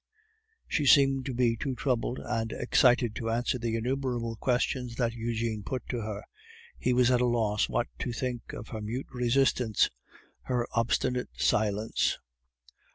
She seemed to be too troubled and excited to answer the innumerable questions that Eugene put to her. He was at a loss what to think of her mute resistance, her obstinate silence.